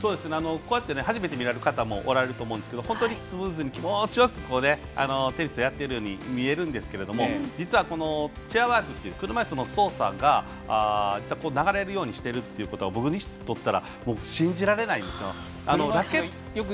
こうして初めて見る方も多いと思いますが本当にスムーズに気持ちよくテニスをやっているように見えるんですが実はチェアワークという車いすの動作が流れるようにしてることは僕にとっては信じられないんですよ。